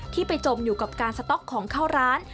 ที่ไปจมอยู่กับการสต๊อกของเข้าร้าน